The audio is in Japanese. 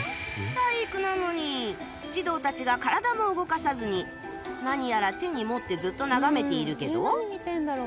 体育なのに児童たちが体も動かさずに何やら手に持ってずっと眺めているけど